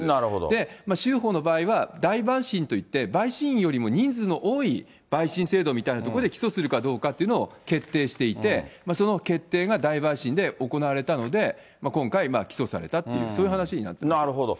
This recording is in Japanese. で、州法の場合は、大陪審といって陪審員よりも人数の多い陪審制度みたいなところで起訴するかどうかっていうのを決定していて、その決定が大陪審で行われたので、今回、起訴されたっていう、そういう話になってまなるほど。